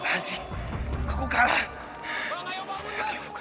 bang harus kuat bang